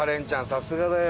さすがだよ。